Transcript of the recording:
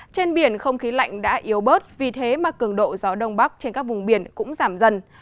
trên biển không khí lạnh đã yếu bớt vì thế mà cường độ gió đông bắc trên các vùng biển cũng giảm dần